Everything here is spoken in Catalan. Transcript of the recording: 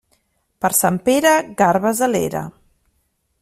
Per Sant Pere, garbes a l'era.